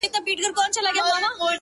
• په خپل ژوند کي یې بوره نه وه څکلې ,